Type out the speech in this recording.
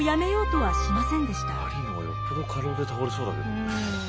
マリーの方がよっぽど過労で倒れそうだけどね。